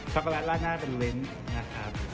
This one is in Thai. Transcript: ็กโกแลตลาดหน้าเป็นลิ้นนะครับ